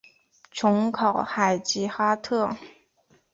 琼考海吉哈特。